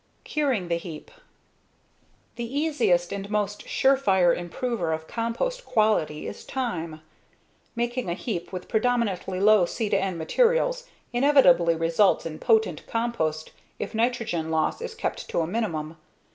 Curing the Heap The easiest and most sure fire improver of compost quality is time. Making a heap with predominantly low C/N materials inevitably results in potent compost if nitrate loss is kept to a minimum.